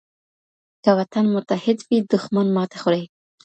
که وطن متحد وي، دښمن ماتې خوري.